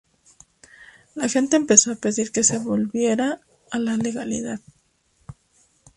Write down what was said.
La gente empezó a pedir que se volviera a la legalidad".